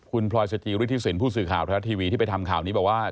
คุณพลอยสจิฤทธิสินผู้สื่อข่าวไทยรัฐทีวีที่ไปทำข่าวนี้บอกว่า